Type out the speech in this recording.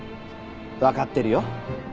わかってるよ。